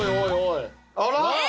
あら！